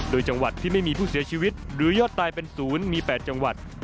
โดยจังหวัดที่ไม่มีผู้เสียชีวิตหรือยอดตายเป็นศูนย์มี๘จังหวัด